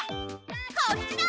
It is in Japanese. こっちだ！